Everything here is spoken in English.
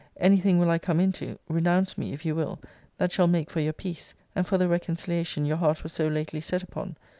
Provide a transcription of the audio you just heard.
Any thing will I come into, (renounce me, if you will,) that shall make for your peace, and for the reconciliation your heart was so lately set upon.